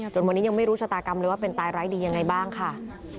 วันนี้ยังไม่รู้ชะตากรรมเลยว่าเป็นตายร้ายดียังไงบ้างค่ะ